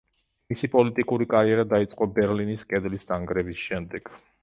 მისი პოლიტიკური კარიერა დაიწყო ბერლინის კედლის დანგრევის შემდეგ.